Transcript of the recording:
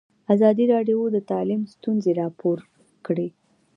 ازادي راډیو د تعلیم ستونزې راپور کړي.